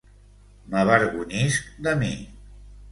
M'avergonyisc de mi.